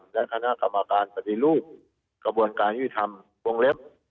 และคณะกรรมการปฏิรูปกระบวนการยุติธรรมวงเล็บ